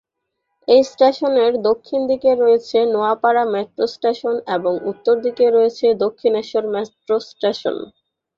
এই স্টেশনের দক্ষিণ দিকে রয়েছে নোয়াপাড়া মেট্রো স্টেশন এবং উত্তর দিকে রয়েছে দক্ষিণেশ্বর মেট্রো স্টেশন।